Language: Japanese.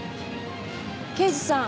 刑事さん